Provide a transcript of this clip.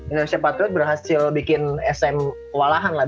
indonesia patriot berhasil bikin sm kewalahan lah